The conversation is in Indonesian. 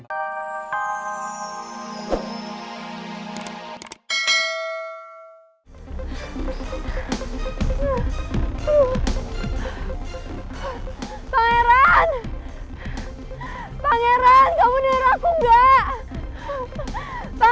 pak heran kamu denger aku nggak